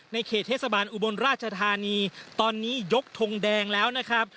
เขตเทศบาลอุบลราชธานีตอนนี้ยกทงแดงแล้วนะครับ